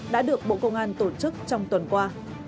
đã được bộ công an tổ chức trong tuần qua